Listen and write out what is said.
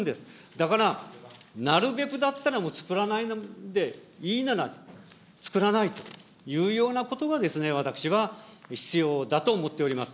だから、なるべくだったらもうつくらないでいいならつくらないというようなことが、私は必要だと思っております。